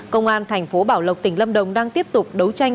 công an tp bảo lộc tỉnh lâm đồng đang tiếp tục đấu tranh